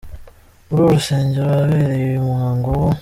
Muri uru rusengero ahabereye uyu muhango wo.